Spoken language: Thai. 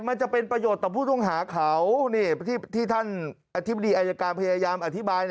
มันจะเป็นประโยชน์ต่อผู้ต้องหาเขาที่ท่านอธิบดีอายการพยายามอธิบาย